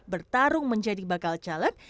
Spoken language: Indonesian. bertarung menjadi bakal caleg